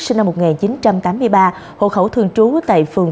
sinh năm một nghìn chín trăm tám mươi ba